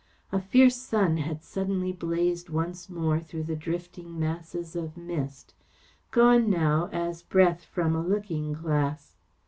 A fierce sun had suddenly blazed once more through the drifting masses of mist gone now, as breath from a looking glass.